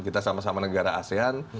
kita sama sama negara asean